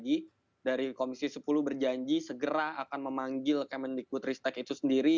jadi dari komisi sepuluh berjanji segera akan memanggil kementerian kementerian kementerian ristek itu sendiri